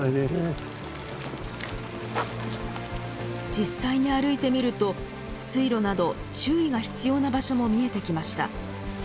実際に歩いてみると水路など注意が必要な場所も見えてきました。